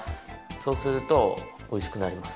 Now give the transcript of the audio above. そうするとおいしくなります。